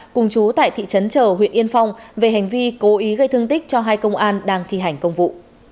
cùng chú tại thị trấn chờ huyện yên phong về hành vi cố ý gây thương tích cho hai công an đang thi hành công vụ